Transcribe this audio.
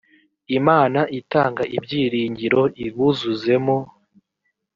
imana itanga ibyiringiro ibuzuzemo